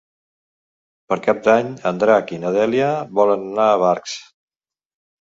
Per Cap d'Any en Drac i na Dèlia volen anar a Barx.